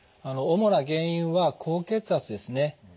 主な原因は高血圧ですね。